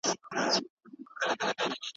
انسان بايد له بدو عادتونو ځان وساتي.